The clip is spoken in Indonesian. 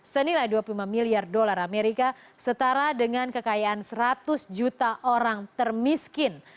senilai dua puluh lima miliar dolar amerika setara dengan kekayaan seratus juta orang termiskin